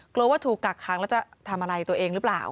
กลัวว่าถูกกักค้างแล้วจะทำอะไรตัวเองหรือเปล่า